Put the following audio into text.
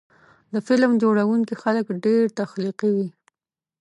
د فلم جوړوونکي خلک ډېر تخلیقي وي.